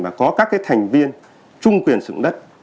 mà có các thành viên trung quyền sử dụng đất